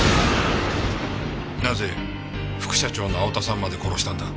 なぜ副社長の青田さんまで殺したんだ？